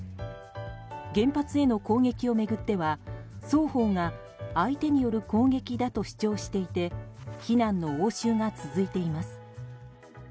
原発への攻撃を巡っては、双方が相手による攻撃だと主張していて非難の応酬が続いています。